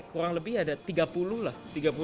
kurang lebih ada tiga puluh lah